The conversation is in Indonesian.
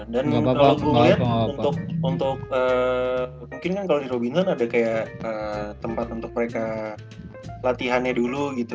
dan kalau gue lihat untuk mungkin kan kalau di robby island ada kayak tempat untuk mereka latihannya dulu gitu